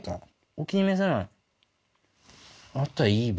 お気に召さない？